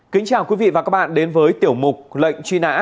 kính chào quý vị và các bạn đến với tiểu mục lệnh truy nã